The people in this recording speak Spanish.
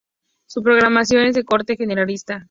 Su programación es de corte generalista.